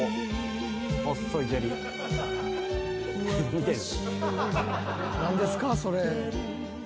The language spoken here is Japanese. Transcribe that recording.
見てる。